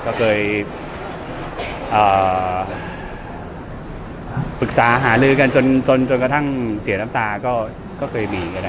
ก็เคยปรึกษาหาลือกันจนกระทั่งเสียน้ำตาก็เคยมี